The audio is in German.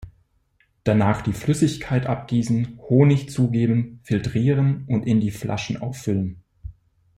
Danach die Flüssigkeit abgießen, Honig zugeben, filtrieren und in die Flaschen auffüllen.